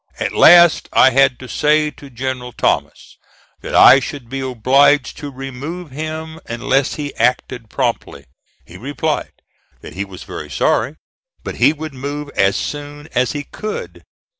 At last I had to say to General Thomas that I should be obliged to remove him unless he acted promptly. He replied that he was very sorry, but he would move as soon as he could.